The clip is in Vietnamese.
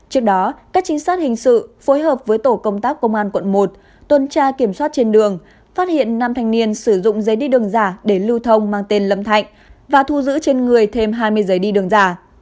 trước đó các trinh sát hình sự phối hợp với tổ công tác công an quận một tuân tra kiểm soát trên đường phát hiện năm thanh niên sử dụng giấy đi đường giả để lưu thông mang tên lâm thạnh và thu giữ trên người thêm hai mươi giấy đi đường giả